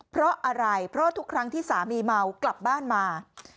เพราะอะไรเพราะทุกครั้งที่สามีเมากลับบ้านมา